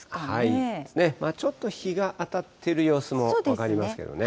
ちょっと日が当たってる様子も分かりますけどね。